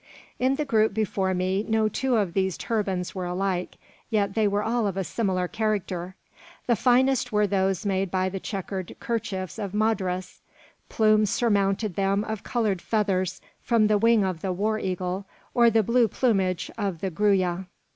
In the group before me no two of these turbans were alike, yet they were all of a similar character. The finest were those made by the chequered kerchiefs of Madras. Plumes surmounted them of coloured feathers from the wing of the war eagle, or the blue plumage of the gruya.